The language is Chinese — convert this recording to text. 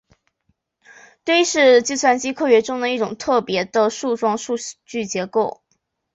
堆是计算机科学中的一种特别的树状数据结构。